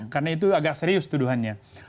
karena itu agak serius tuduhannya